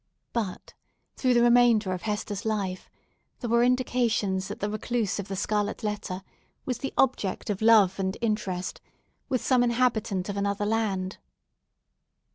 But through the remainder of Hester's life there were indications that the recluse of the scarlet letter was the object of love and interest with some inhabitant of another land.